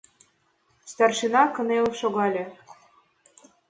Старшина кынел шогале.